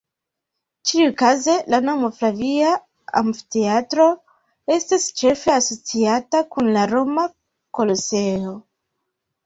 Ĉiukaze la nomo "Flavia Amfiteatro" estas ĉefe asociata kun la Roma Koloseo.